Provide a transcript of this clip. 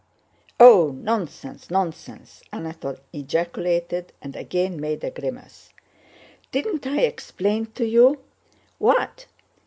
"Oh, nonsense, nonsense!" Anatole ejaculated and again made a grimace. "Didn't I explain to you? What?"